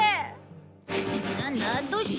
どうした？